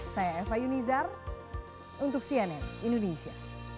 saya eva yunizar untuk cnn indonesia